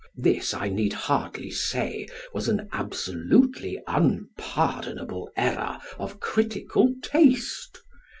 This, I need hardly say, was an absolutely unpardonable error of critical taste.